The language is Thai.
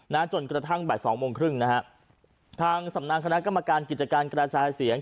จนกระทั่งบ่ายสองโมงครึ่งนะฮะทางสำนักคณะกรรมการกิจการกระจายเสียง